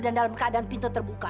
dan dalam keadaan pintu terbuka